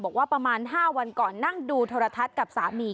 ประมาณ๕วันก่อนนั่งดูโทรทัศน์กับสามี